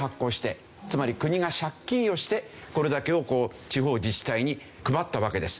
つまり国が借金をしてこれだけを地方自治体に配ったわけです。